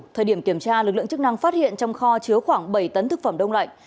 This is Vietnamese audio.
thời điểm kiểm tra lực lượng chức năng phát hiện trong kho chứa khoảng bảy tấn thực phẩm đông lạnh